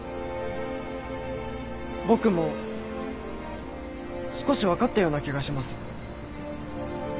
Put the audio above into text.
僕も少し分かったような気がします。